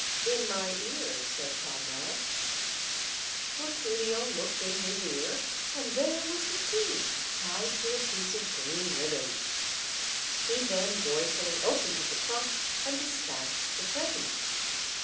"In my ear," said Comrade. Fortunio looked in his ear, and there was the key tied to a piece of green ribbon. He then joyfully opened the trunk, and dispatched the presents.